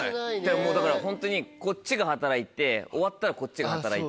もうだからホントにこっちが働いて終わったらこっちが働いて。